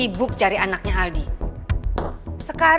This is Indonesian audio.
kamu bisa nyari anaknya di rumah